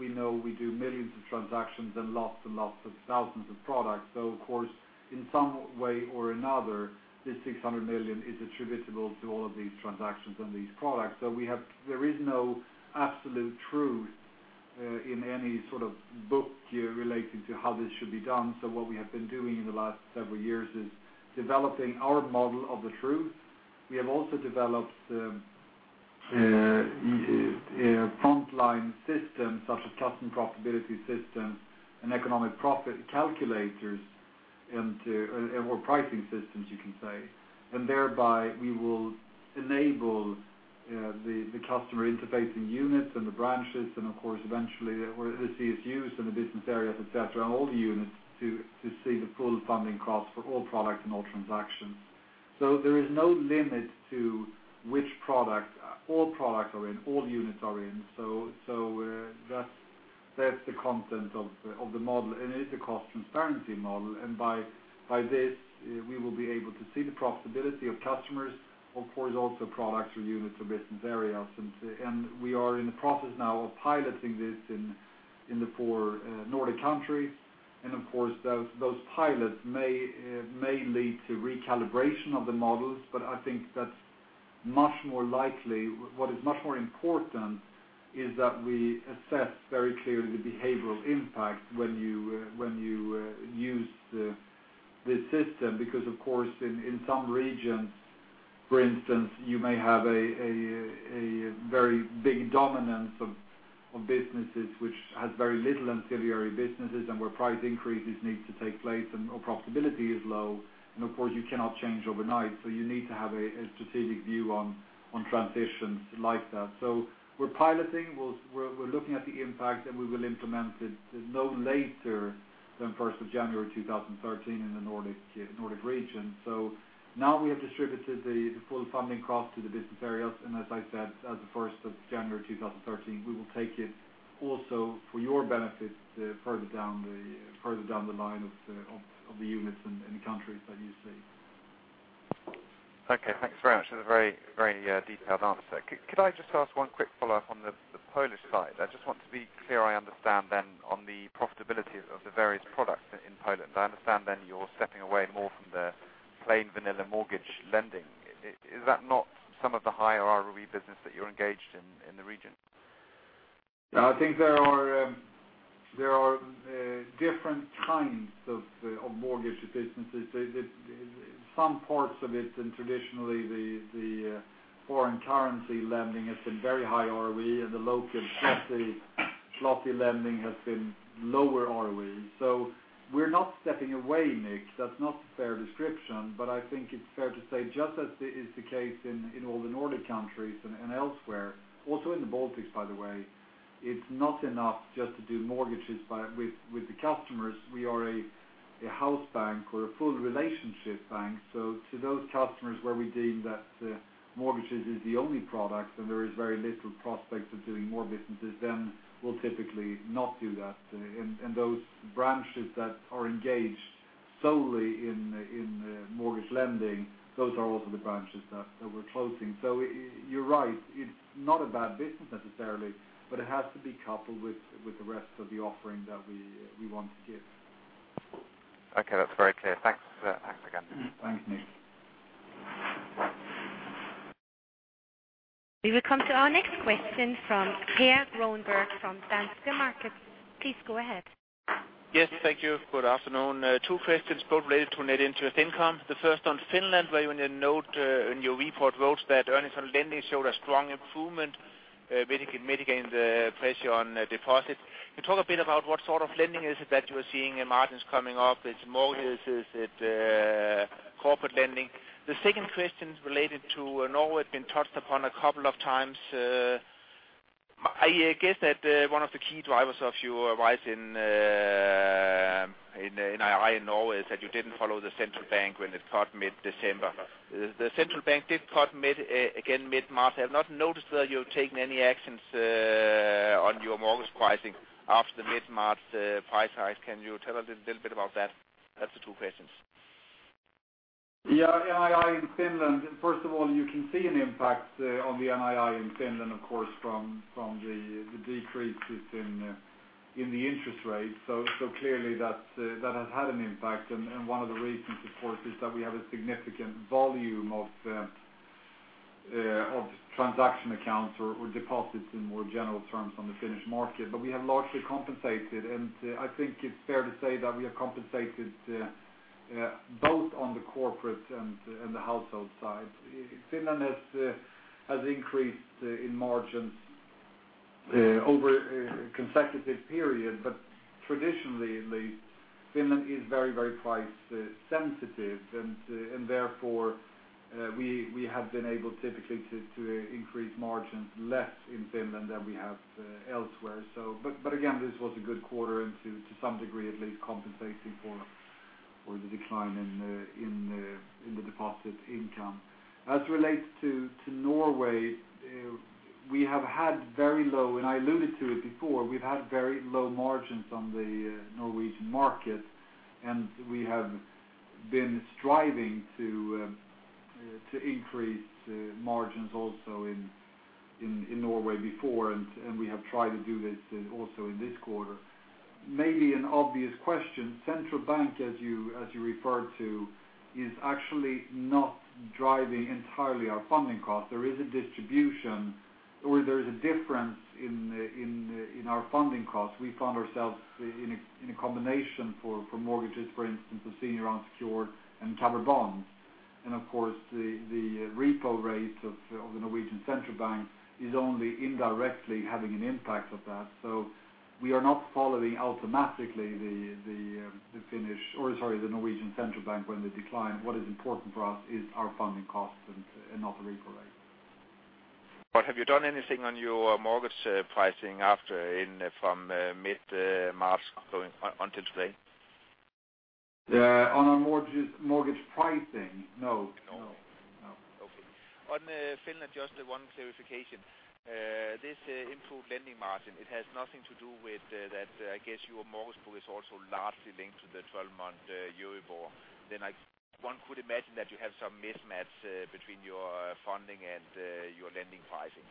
We know we do millions of transactions and lots and lots of thousands of products. In some way or another, this 600 million is attributable to all of these transactions and these products. There is no absolute truth in any sort of book relating to how this should be done. What we have been doing in the last several years is developing our model of the truth. We have also developed frontline systems such as custom profitability systems and economic profit calculators and/or pricing systems, you can say. We will enable the customer interfacing units and the branches, and of course, eventually, the CSUs and the business areas, etc., and all the units to see the full funding cost for all products and all transactions. There is no limit to which product; all products are in, all units are in. That is the content of the model. It is a cost transparency model. By this, we will be able to see the profitability of customers, of course, also products or units or business areas. We are in the process now of piloting this in the four Nordic countries. Those pilots may lead to recalibration of the models. I think that much more likely, what is much more important is that we assess very clearly the behavioral impact when you use this system. In some regions, for instance, you may have a very big dominance of businesses which have very little ancillary businesses and where price increases need to take place and profitability is low. You cannot change overnight. You need to have a strategic view on transitions like that. We are piloting, looking at the impacts, and we will implement it no later than January 1st, 2013, in the Nordic region. We have distributed the full funding cost to the business areas. As of 1st of January 2013, we will take it also for your benefit further down the line of the units and the countries that you see. Okay. Thanks very much for the very, very detailed answer. Could I just ask one quick follow-up on the Polish side? I just want to be clear I understand then on the profitability of the various products in Poland. I understand then you're stepping away more from the plain vanilla mortgage lending. Is that not some of the higher ROE business that you're engaged in in the region? I think there are different kinds of mortgage efficiency. Some parts of it, and traditionally, the foreign currency lending has been very high ROE, and the local, just a sloppy lending, has been lower ROE. We're not stepping away, Nick. That's not a fair description. I think it's fair to say, just as it is the case in all the Nordic countries and elsewhere, also in the Baltics, by the way, it's not enough just to do mortgages with the customers. We are a house bank or a full relationship bank. To those customers where we deem that mortgages are the only product and there is very little prospect of doing more business, we'll typically not do that. Those branches that are engaged solely in mortgage lending are also the branches that we're closing. You're right. It's not a bad business necessarily, but it has to be coupled with the rest of the offering that we want to give. Okay, that's very clear. Thanks again. Thanks, Nick. We will come to our next question from Heer Roenberg from Danske Markets. Please go ahead. Yes. Thank you. Good afternoon. Two questions, both related to net interest income. The first on Finland, where you in your report wrote that earnings on lending showed a strong improvement, mitigating the pressure on deposits. Can you talk a bit about what sort of lending is it that you are seeing margins coming up? Is it mortgages? Is it corporate lending? The second question is related to Norway. Been touched upon a couple of times. I guess that one of the key drivers of your rise in NII in Norway is that you didn't follow the central bank when it cut mid-December. The central bank did cut again mid-March. I have not noticed whether you've taken any actions on your mortgage pricing after the mid-March price rise. Can you tell a little bit about that? That's the two questions. Yeah. Here in Finland, first of all, you can see an impact on the net interest income in Finland, of course, from the decrease in the interest rate. Clearly, that has had an impact. One of the reasons, of course, is that we have a significant volume of transaction accounts or deposits in more general terms on the Finnish market. We have largely compensated. I think it's fair to say that we have compensated both on the corporate and the household side. Finland has increased in margins over a consecutive period. Traditionally, at least, Finland is very, very price-sensitive. Therefore, we have been able typically to increase margins less in Finland than we have elsewhere. This was a good quarter and to some degree, at least, compensating for the decline in the deposit income. As it relates to Norway, we have had very low, and I alluded to it before, we've had very low margins on the Norwegian market. We have been striving to increase margins also in Norway before. We have tried to do this also in this quarter. Maybe an obvious question, Central Bank, as you referred to, is actually not driving entirely our funding costs. There is a distribution or there is a difference in our funding costs. We found ourselves in a combination for mortgages, for instance, of senior unsecured and capital bonds. The repo rate of the Norwegian central bank is only indirectly having an impact of that. We are not following automatically the Finnish or, sorry, the Norwegian central bank when they decline. What is important for us is our funding cost and not the repo rate. Have you done anything on your mortgage pricing after in from mid-March going until today? On our mortgage pricing? No, no, no. Okay. On Finland, just the one clarification. This improved lending margin, it has nothing to do with that. I guess your mortgage book is also largely linked to the 12-month Euribor. One could imagine that you have some mismatch between your funding and your lending pricing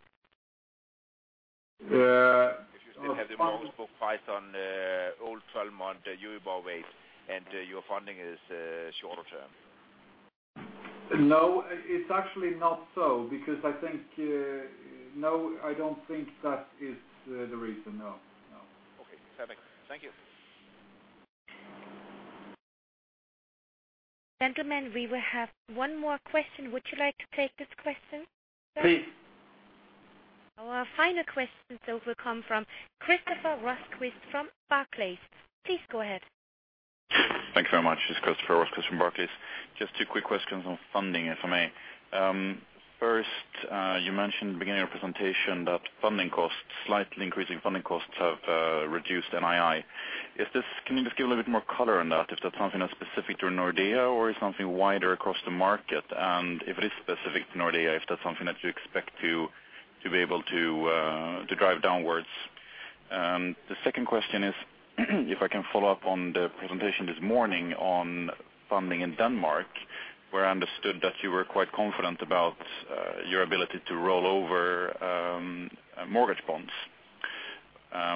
if you still have the mortgage book priced on old 12-month Euribor weight and your funding is shorter term. No, it's actually not so. I think, no, I don't think that is the reason. No. Okay. Perfect. Thank you. Gentlemen, we will have one more question. Would you like to take this question? Our final questions, though, will come from Christopher Rees from Barclays Bank PLC. Please go ahead. Thanks very much, this is Christopher Rosquist from Barclays. Just two quick questions on funding, if I may. First, you mentioned at the beginning of the presentation that slightly increasing funding costs have reduced NII. Can you just give a little bit more color in that? If that's something that's specific to Nordea, or is it something wider across the market? If it is specific to Nordea, is that something that you expect to be able to drive downwards. The second question is, if I can follow up on the presentation this morning on funding in Denmark, where I understood that you were quite confident about your ability to roll over mortgage bonds. I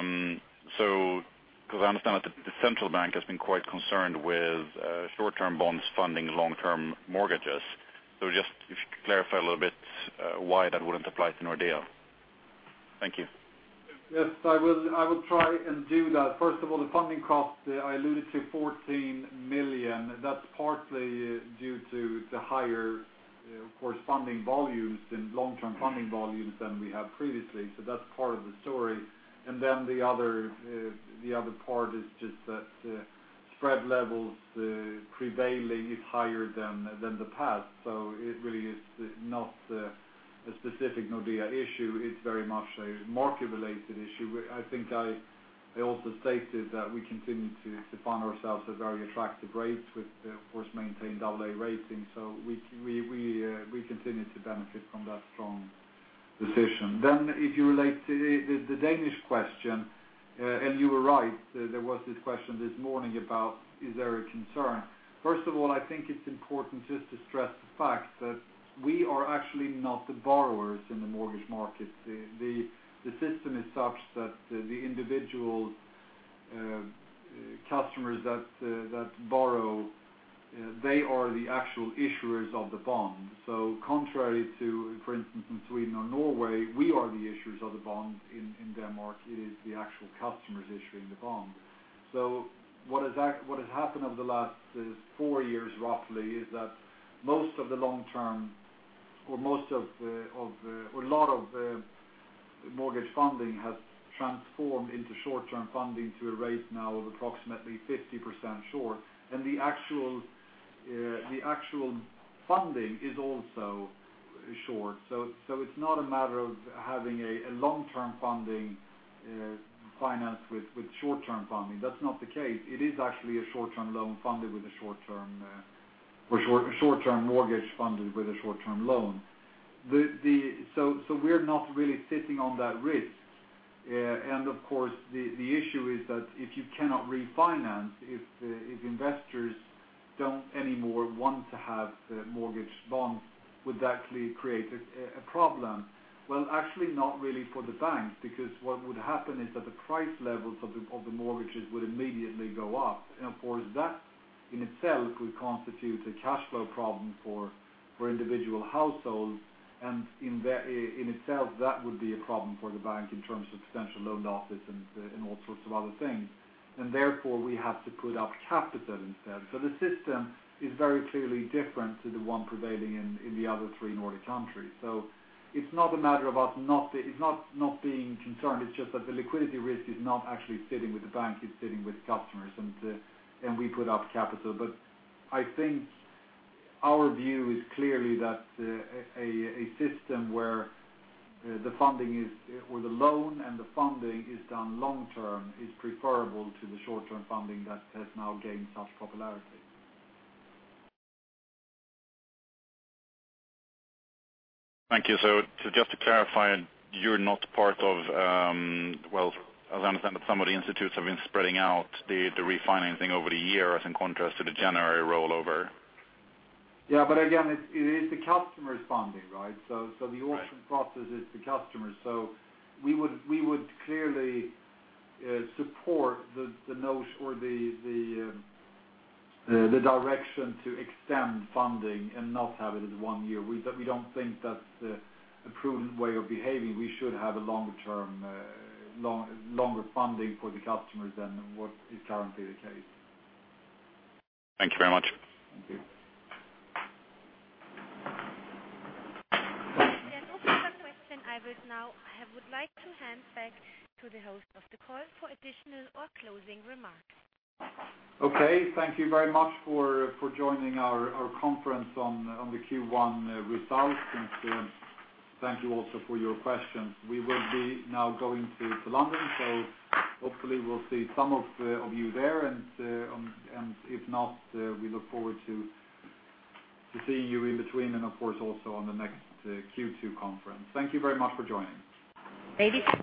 understand that the central bank has been quite concerned with short-term bonds funding long-term mortgages. Could you clarify a little bit why that wouldn't apply to Nordea. Thank you. Yes. I will try and do that. First of all, the funding cost I alluded to, 14 million. That's partly due to the higher, of course, funding volumes and long-term funding volumes than we had previously. That's part of the story. The other part is just that the spread level prevailing is higher than the past. It really is not a specific Nordea issue. It's very much a market-related issue. I think I also stated that we continue to find ourselves at very attractive rates with the, of course, maintained AA rating. We continue to benefit from that strong decision. If you relate to the Danish question, and you were right, there was this question this morning about is there a concern. First of all, I think it's important just to stress the fact that we are actually not the borrowers in the mortgage market. The system is such that the individual customers that borrow, they are the actual issuers of the bond. Contrary to, for instance, in Sweden or Norway, we are the issuers of the bond. In Denmark, it is the actual customers issuing the bond. What has happened over the last four years, roughly, is that most of the long-term or most of a lot of mortgage funding has transformed into short-term funding to a rate now of approximately 50% short. The actual funding is also short. It's not a matter of having a long-term funding financed with short-term funding. That's not the case. It is actually a short-term loan funded with a short-term mortgage funded with a short-term loan. We're not really sitting on that risk. The issue is that if you cannot refinance, if investors don't anymore want to have the mortgage bonds, would that create a problem? Actually, not really for the bank because what would happen is that the price levels of the mortgages would immediately go up. That in itself would constitute a cash flow problem for individual households. In itself, that would be a problem for the bank in terms of potential loan losses and all sorts of other things. Therefore, we have to put up capital instead. The system is very clearly different to the one prevailing in the other three Nordic countries. It's not a matter of us not being concerned. It's just that the liquidity risk is not actually sitting with the bank. It's sitting with customers, and we put up capital. I think our view is clearly that a system where the funding is or the loan and the funding is done long-term is preferable to the short-term funding that has now gained such popularity. Thank you. Just to clarify, you're not part of, as I understand it, some of the institutes have been spreading out the refinancing over the years in contrast to the January rollover. Yeah, again, it's the customers' funding, right? The auction process is the customers. We would clearly support the notion or the direction to extend funding and not have it at one year. We don't think that's a prudent way of behaving. We should have longer-term, longer funding for the customers than what is currently the case. Thank you very much. There's no further question. I would now like to hand back to the host of the call for additional or closing remarks. Okay. Thank you very much for joining our conference on the Q1 results. Thank you also for your questions. We will be now going to London. Hopefully, we'll see some of you there. If not, we look forward to seeing you in between and, of course, also on the next Q2 conference. Thank you very much for joining. Ladies.